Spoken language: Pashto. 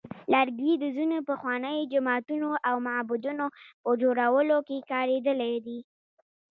لرګي د ځینو پخوانیو جوماتونو او معبدونو په جوړولو کې کارېدلی دی.